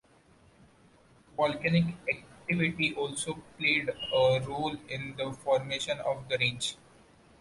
Volcanic activity also played a role in the formation of the range.